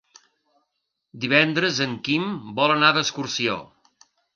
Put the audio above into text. Divendres en Quim vol anar d'excursió.